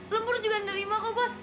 lembur juga nerima kok bos